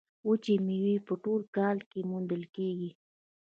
وچې میوې په ټول کال کې موندل کیږي.